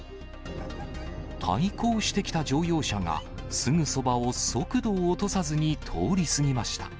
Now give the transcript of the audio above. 対向してきた乗用車が、すぐそばを速度を落とさずに通り過ぎました。